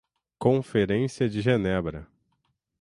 Conferência de Genebra